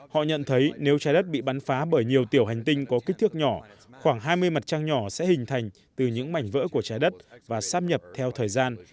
họ nhận thấy nếu trái đất bị bắn phá bởi nhiều tiểu hành tinh có kích thước nhỏ khoảng hai mươi mặt trăng nhỏ sẽ hình thành từ những mảnh vỡ của trái đất và sáp nhập theo thời gian